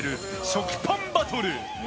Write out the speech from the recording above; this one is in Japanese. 食パンバトル！